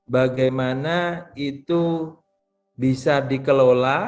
bagaimana itu bisa dikelola